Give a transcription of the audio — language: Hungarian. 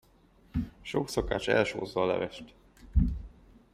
Sok szakács elsózza a levest.